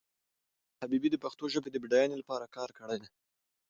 علامه حبیبي د پښتو ژبې د بډاینې لپاره کار کړی دی.